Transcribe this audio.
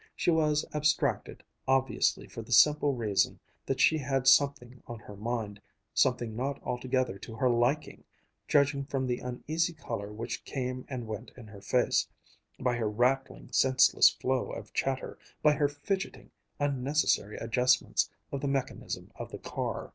She was abstracted obviously for the simple reason that she had something on her mind, something not altogether to her liking, judging from the uneasy color which came and went in her face, by her rattling, senseless flow of chatter, by her fidgeting, unnecessary adjustments of the mechanism of the car.